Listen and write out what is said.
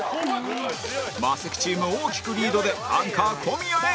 マセキチーム大きくリードでアンカー小宮へ